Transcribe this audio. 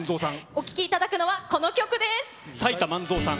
お聴きいただくのはこの曲でさいたまん